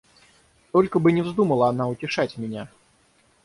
Только бы не вздумала она утешать меня!